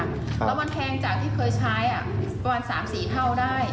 แล้วมันแพงจากที่เคยใช้ประมาณ๓๔เท่าได้